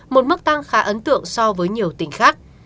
một mức tăng khá ấn tượng so với nhiều tỉnh khác